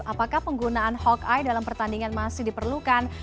apakah penggunaan hawkey dalam pertandingan masih diperlukan